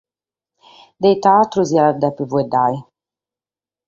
De ite àteru si diat dèvere faeddare?